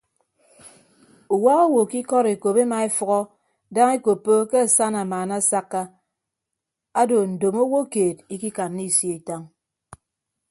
Uwak owo ke ikọd ekop ema efʌhọ daña ekoppo ke asana amaana asakka ado ndomo owo keed ikikanna isio itañ.